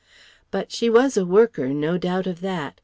But she was a worker: no doubt of that!